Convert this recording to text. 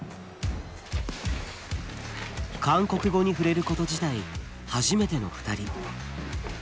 韓国語に触れること自体初めての２人。